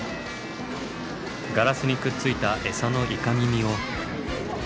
ガラスにくっついたエサのイカミミを。